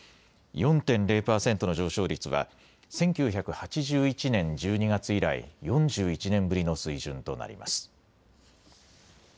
４．０％の上昇率は１９８１年１２月以来、４１年ぶりの水準となります。